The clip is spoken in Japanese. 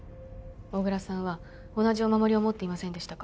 小倉さんは同じお守りを持っていませんでしたか？